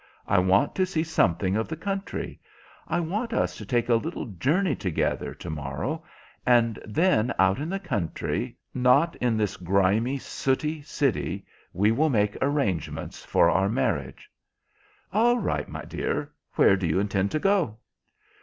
I want to see something of the country. I want us to take a little journey together to morrow, and then, out in the country, not in this grimy, sooty city, we will make arrangements for our marriage." "All right, my dear. Where do you intend to go?"